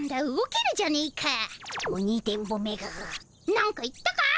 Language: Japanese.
なんか言ったか？